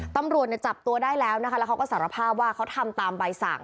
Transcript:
ตำรวจจับตัวได้แล้วนะคะแล้วเขาก็สารภาพว่าเขาทำตามใบสั่ง